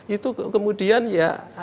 itu kemudian ya